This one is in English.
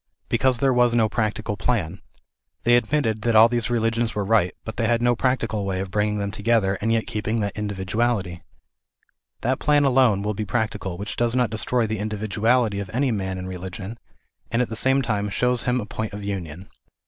Because there was no practical plan. They THE IDEAL OF A UNIVERSAL KELIGION. 31 3 admitted that all these religions were right, but they had no practical way of bringing them together, and yet keep ing that individuality. That plan alone will be practical, which does not destroy the individuality of any man in religion, and at the same time shows him a point of union.